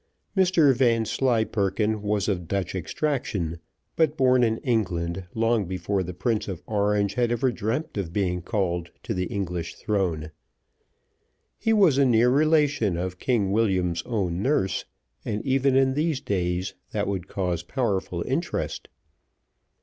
Mr Vanslyperken was of Dutch extraction, but born in England long before the Prince of Orange had ever dreamt of being called to the English throne. He was a near relation of King William's own nurse, and even in these days, that would cause powerful interest.